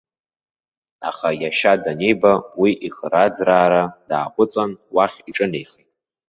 Аха иашьа даниба уи ихрааӡраара дааҟәыҵын, уахь иҿынеихеит.